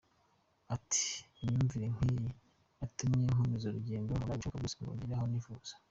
Ati “ Imyumvire nk’iyi yatumye nkomeza urugendo, nkora ibishoboka byose ngo ngere aho nifuza.